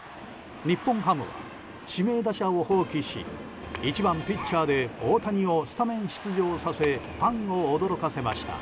日本ハムは指名打者を放棄し１番ピッチャーで大谷をスタメン出場させファンを驚かせました。